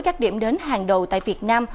các điểm đến hàng đầu tại việt nam